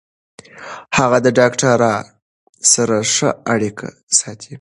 هغه د ډاکټر سره ښه اړیکه ساتي.